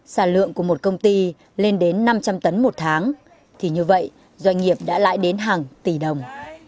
sản lượng của một công ty lên đến năm trăm linh tấn một tháng thì như vậy doanh nghiệp đã lãi đến hàng tỷ đồng